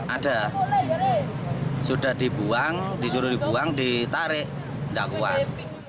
ada sudah dibuang disuruh dibuang ditarik tidak kuat